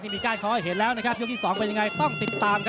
เป็นไงบ้าง